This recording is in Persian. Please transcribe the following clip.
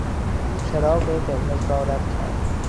او چراغ قرمز را رد کرد.